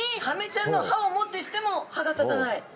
サメちゃんの歯をもってしても歯が立たない。